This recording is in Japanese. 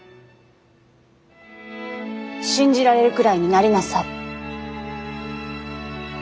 信じられるくらいになりなさい。